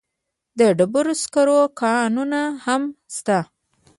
د ډبرو سکرو کانونه هم شته.